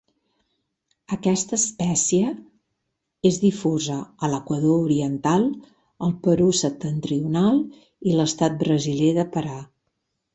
Aquesta espècie és difosa a l'Equador oriental, el Perú septentrional i l'estat brasiler de Pará.